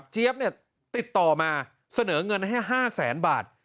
ติดต่อมาเสนอเงินให้๕แสนบาท